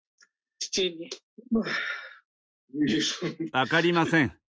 分かりません。